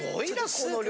この量。